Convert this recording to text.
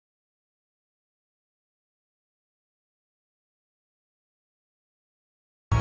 tolong lo sebaiknya lo mau keluar